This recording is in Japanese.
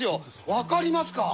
分かりますか？